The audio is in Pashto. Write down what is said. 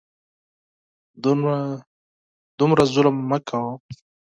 دومره ظلم مه کوه !